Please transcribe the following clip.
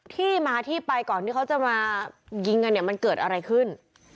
ที่มาที่ไปก่อนที่เขาจะมายิงกันเนี่ยมันเกิดอะไรขึ้น